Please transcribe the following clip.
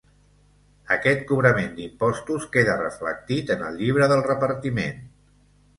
Aquest cobrament d'impostos queda reflectit en el Llibre del Repartiment.